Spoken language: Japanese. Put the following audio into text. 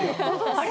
あれ？